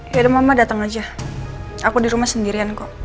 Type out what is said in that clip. yaudah mama datang aja aku di rumah sendirian kok